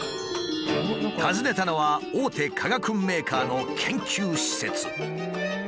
訪ねたのは大手化学メーカーの研究施設。